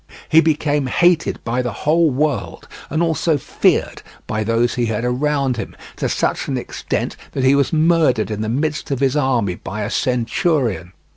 He became hated by the whole world, and also feared by those he had around him, to such an extent that he was murdered in the midst of his army by a centurion.